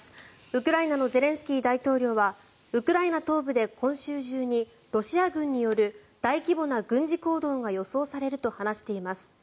ウクライナのゼレンスキー大統領はウクライナ東部で今週中にロシア軍による大規模な軍事行動が予想されると話しています。